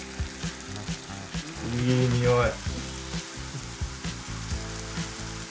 いいにおい。